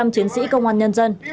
hai trăm linh chiến sĩ công an nhân dân